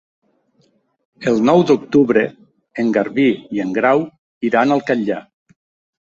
El nou d'octubre en Garbí i en Grau iran al Catllar.